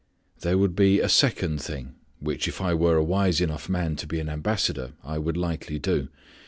There would be a second thing which if I were a wise enough man to be an ambassador I would likely do.